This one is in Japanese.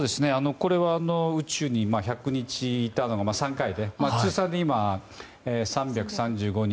これは宇宙に１００日いたのが３回で通算で３３５日